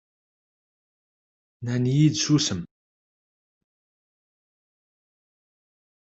Nnan-iyi-d susem.